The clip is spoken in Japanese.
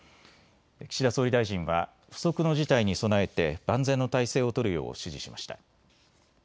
岸田総理大臣は不測の事態に備えて万全の態勢を取るよう指示しました。